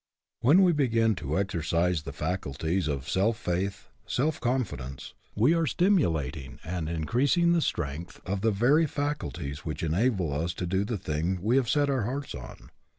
When we begin to exercise the faculties of self faith, self confidence, we are stimulat ing and increasing the strength of the very 14 HE CAN WHO THINKS HE CAN faculties which enable us to do the thing we have set our heart on.